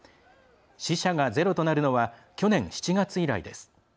死者がゼロとなるのは去年７月以来です。